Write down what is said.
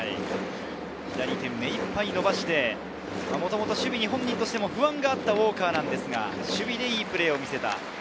左手をめいっぱい伸ばして、もともと守備に不安のあったウォーカーですが、守備でいいプレーを見せました。